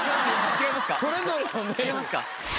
違いますか。